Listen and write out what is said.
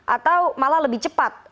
atau malah lebih cepat